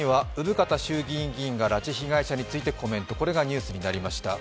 ３位は生方衆議院議員が拉致被害者についてコメント、これがニュースになりました。